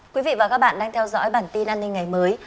quý vị và các bạn đang theo dõi bản tin an ninh ngày mới